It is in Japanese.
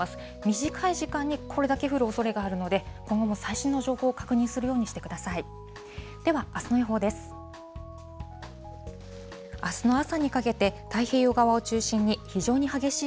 短い時間にこれだけ降るおそれがあるので、今後も最新の情報を確認するようにしてください。